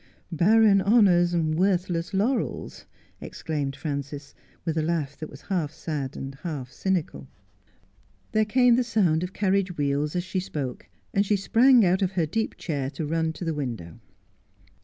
Link by Link. 121 " Barren honours, worthless laurels !' exclaimed Frances, with a laugh that was half sad, half cynical. There came the sound of carriage wheels as she spoke, and she sprang out of her deep chair to run to the window.